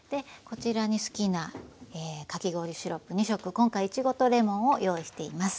こちらに好きなかき氷シロップ２色今回いちごとレモンを用意しています。